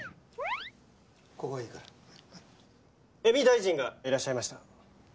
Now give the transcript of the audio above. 江見大臣がいらっしゃいました。